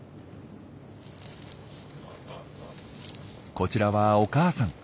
こちらはお母さん。